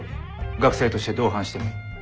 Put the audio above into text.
学生として同伴してもいい。